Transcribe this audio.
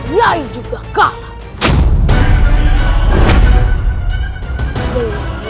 nyai juga kalah